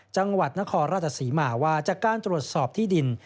จังหวัดนครราชศรีมาว่าจากการตรวจสอบที่ดิน